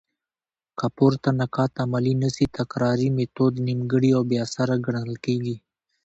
که پورته نقاط عملي نه سي؛ تکراري ميتود نيمګړي او بي اثره ګڼل کيږي.